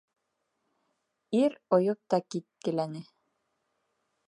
Ир ойоп та киткеләне.